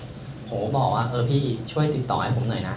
ผมก็บอกว่าเออพี่ช่วยติดต่อให้ผมหน่อยนะ